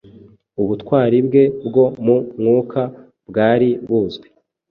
Ubutwari bwe bwo mu mwuka bwari buzwi